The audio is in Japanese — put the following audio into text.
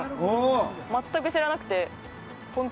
全く知らなくて。